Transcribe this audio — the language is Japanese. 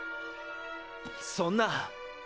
そんな！